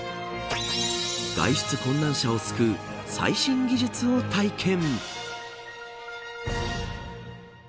外出困難者を救う最新技術を体験。